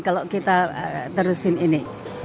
kalau kita terusin ini